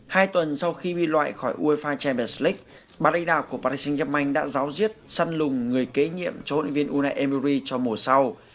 hai tuần sau khi bị loại khỏi uefa champions league bà đại đạo của paris saint germain đã giáo diết săn lùng người kế nhiệm cho huấn luyện viên unai emery cho mùa sau